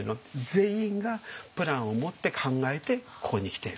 全員がプランを持って考えてここに来ている。